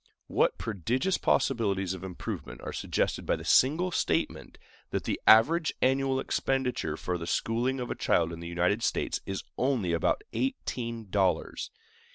What prodigious possibilities of improvement are suggested by the single statement that the average annual expenditure for the schooling of a child in the United States is only about eighteen dollars!